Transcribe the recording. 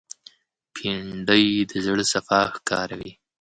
بېنډۍ د زړه صفا ښکاروي